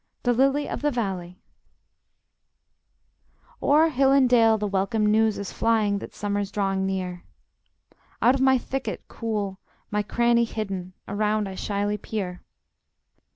THE LILY OF THE VALLEY O'er hill and dale the welcome news is flying That summer's drawing near; Out of my thicket cool, my cranny hidden, Around I shyly peer.